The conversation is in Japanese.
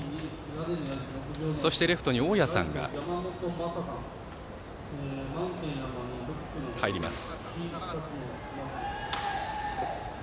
そして、レフトに大屋さんが入ります。